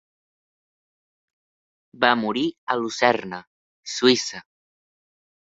Va morir a Lucerna, Suïssa.